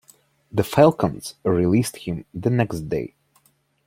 The Falcons released him the next day.